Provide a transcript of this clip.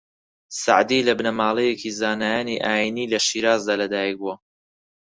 سەعدی لە بنەماڵەیەکی زانایانی ئایینی لە شیرازدا لە دایک بووە